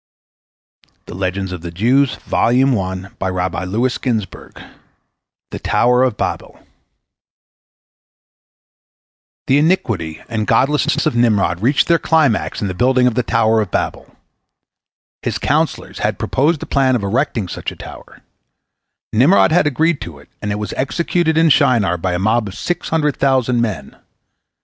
THE TOWER OF BABEL The iniquity and godlessness of Nimrod reached their climax in the building of the Tower of Babel. His counsellors had proposed the plan of erecting such a tower, Nimrod had agreed to it, and it was executed in Shinar by a mob of six hundred thousand men.